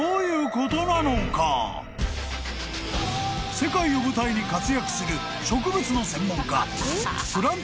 ［世界を舞台に活躍する植物の専門家］